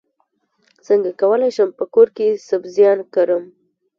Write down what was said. څنګه کولی شم په کور کې سبزیان کرم